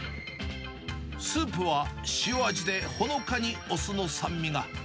スープは塩味でほのかにお酢の酸味が。